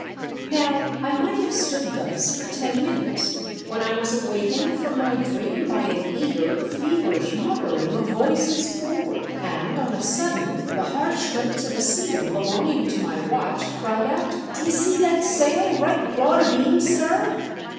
Now I mioht have stood thus for ten minutes, when I was awakened from my dream by an eager feverish muttering of voices forward, and on a sudden the harsh notes of a seaman belonging to my watch cried out, " D'ye see that sail right broad a beam, sir